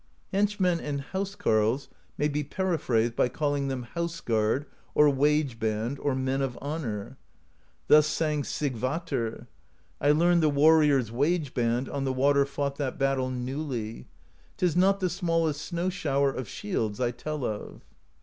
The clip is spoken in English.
Henchmen and house carles may be periphrased by call ing them House Guard, or Wage Band, or Men of Honor: thus sang Sigvatr: I learned the Warrior's Wage Band On the water fought that battle Newly: 't is not the smallest Snow shower of Shields I tell of.